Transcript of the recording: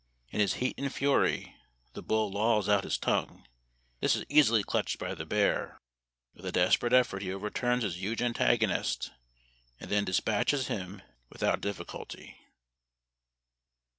In his heat and fury the bull lolls out his tongue ; this is easily clutched by the bear ; with a desperate effort he overturns his huge antagonist, and then dispatches him without difficulty."